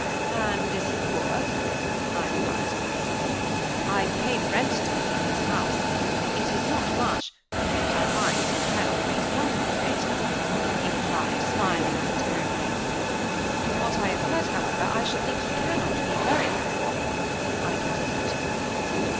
"And is he poor?" I inquired. "I pay rent to him for this house. It is not much; but I find he cannot wait long for it," he replied, smiling satirically. "From what I have heard, however, I should think he cannot be very poor?" I continued.